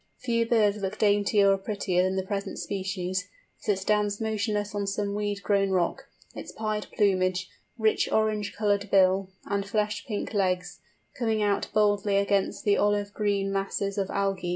Few birds look daintier or prettier than the present species, as it stands motionless on some weed grown rock, its pied plumage, rich orange coloured bill, and flesh pink legs, coming out boldly against the olive green masses of algæ.